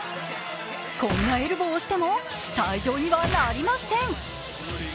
こんなエルボーをしても退場にはなりません。